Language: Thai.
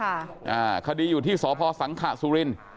อ่าคดีอยู่ที่สพสังขสุรินทร์